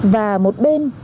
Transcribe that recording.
và một bên